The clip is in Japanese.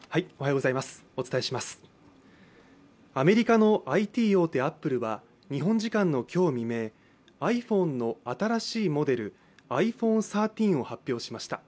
アメリカのＩＴ大手アップルは日本時間の今日未明、ｉＰｈｏｎｅの新しいモデル、ｉＰｈｏｎｅ１３を発表しました。